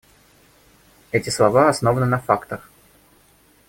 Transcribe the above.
Эти слова основаны на фактах.